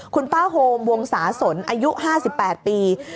คุณป้าโฮมวงศาสนอายุ๕๘ปี